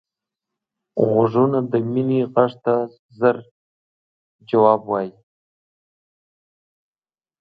غوږونه د مینې غږ ته ژر ځواب وايي